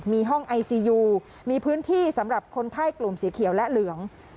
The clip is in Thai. มีห้องไอซียูมีพื้นที่สำหรับคนไข้กลุ่มสีเขียวและเหลือง